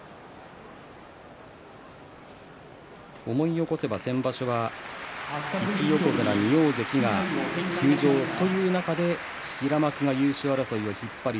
思い起こせば先場所は１横綱２大関が休場という中で平幕が優勝争いを引っ張り